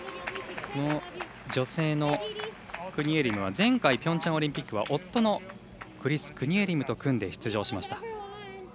女性のクニエリムは前回ピョンチャンオリンピックは夫のクリス・クニエリムと組んで出場しました。